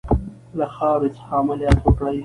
له خاورې څخه عملیات وکړي.